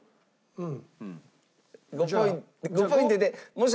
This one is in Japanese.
うん。